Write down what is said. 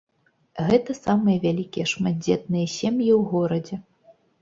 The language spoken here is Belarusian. Гэта самыя вялікія шматдзетныя сем'і ў горадзе.